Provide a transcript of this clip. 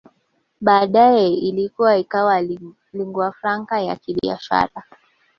Baadae ilikua ikawa linguafranca ya kibiashara